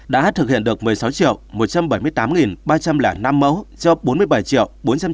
đã thực hiện được một mươi sáu một trăm bảy mươi tám ba trăm linh năm mẫu cho bốn mươi bảy bốn trăm chín mươi hai